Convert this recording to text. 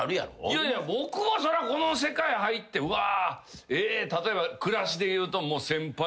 いやいや僕はこの世界入って例えば暮らしでいうと。